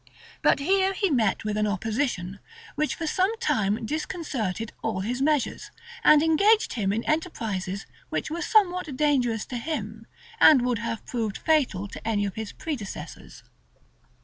But he here met with an opposition, which for some time disconcerted all his measures, and engaged him in enterprises that were somewhat dangerous to him; and would have proved fatal to any of his predecessors.